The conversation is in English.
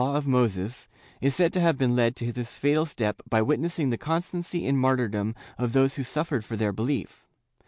294 JEWS [Book VIII of Moses, is said to have been led to this fatal step by witnessing the constancy in martyrdom of those who suffered for their belief.